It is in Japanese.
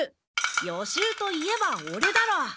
予習といえばオレだろ。